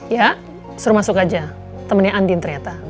ya suruh masuk aja temennya andin ternyata